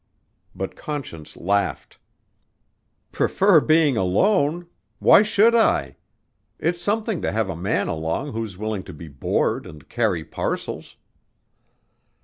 But Conscience laughed. "Prefer being alone? Why should I? It's something to have a man along who's willing to be bored and carry parcels."